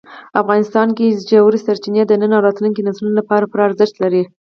افغانستان کې ژورې سرچینې د نن او راتلونکي نسلونو لپاره پوره ارزښت لري.